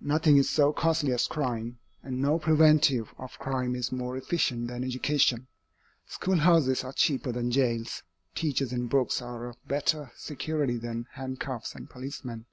Nothing is so costly as crime, and no preventive of crime is more efficient than education. Schoolhouses are cheaper than jails, teachers and books are a better security than handcuffs and policemen.